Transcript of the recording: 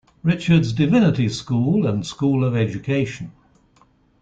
Richards Divinity School, and School of Education.